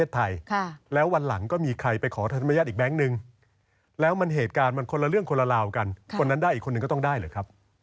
เหตุการณ์มันคนละเรื่องคนละลาวกันคนนั้นได้อีกคนนึงก็ต้องได้หรือครับ